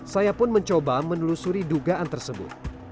saya pun mencoba menelusuri dugaan tersebut